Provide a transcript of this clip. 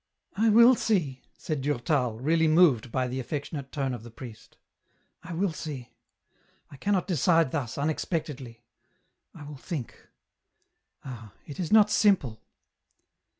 " I will see," said Durtal, really moved by the affectionate tone of the priest, "I will see. I cannot decide thus, unexpectedly ; I will think. Ah ! it is not simple."